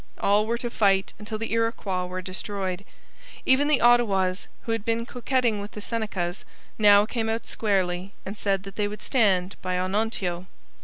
All were to fight until the Iroquois were destroyed. Even the Ottawas, who had been coquetting with the Senecas, now came out squarely and said that they would stand by Onontio.